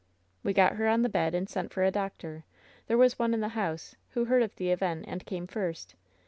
"We got her on the bed, and sent for a doctor. There was one in the house, who heard of the event, and came first.